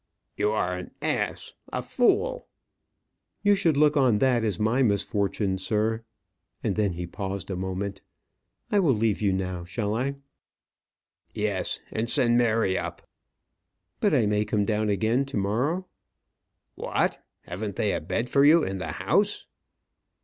"You are an ass a fool!" "You should look on that as my misfortune, sir." And then he paused a moment. "I will leave you now, shall I?" "Yes, and send Mary up." "But I may come down again to morrow?" "What! haven't they a bed for you in the house?"